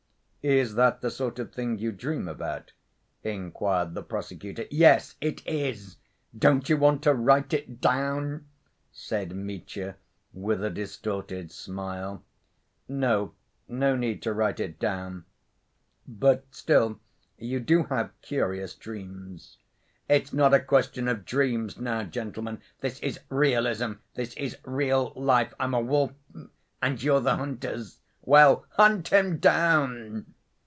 "Is that the sort of thing you dream about?" inquired the prosecutor. "Yes, it is. Don't you want to write it down?" said Mitya, with a distorted smile. "No; no need to write it down. But still you do have curious dreams." "It's not a question of dreams now, gentlemen—this is realism, this is real life! I'm a wolf and you're the hunters. Well, hunt him down!"